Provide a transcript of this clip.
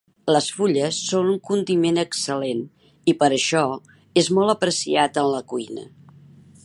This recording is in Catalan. Les fulles són un condiment excel·lent i per això és molt apreciat en la cuina.